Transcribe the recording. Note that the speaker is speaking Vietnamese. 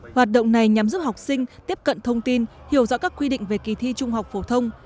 hoạt động này nhằm giúp học sinh tiếp cận thông tin hiểu rõ các quy định về kỳ thi trung học phổ thông